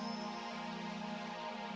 papa lagi close bentar